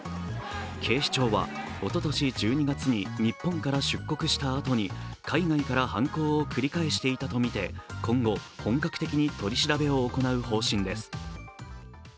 警視庁はおととし１２月に日本から出国した後に海外から犯行を繰り返していたとみて、今後、本格的に取り調べを行う方針です。